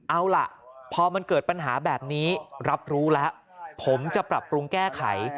เอาล่ะพอมันเกิดปัญหาแบบนี้รับรู้แล้วผมจะปรับปรุงแก้ไข